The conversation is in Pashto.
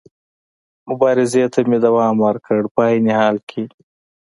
مبارزې ته مې دوام ورکړ، په عین حال کې.